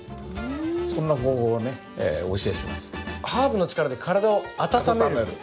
ハーブの力で体を温める？